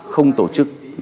không tổ chức bầu cử